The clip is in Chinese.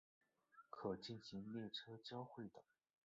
可进行列车交会的。